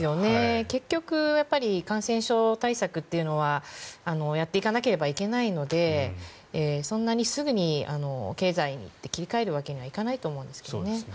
結局感染症対策というのはやっていかなければいけないのでそんなにすぐに経済って切り替えるわけにはいかないと思うんですけどね。